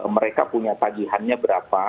mereka punya pagihannya berapa